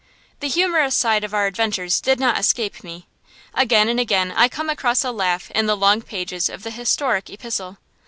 The humorous side of our adventures did not escape me. Again and again I come across a laugh in the long pages of the historic epistle.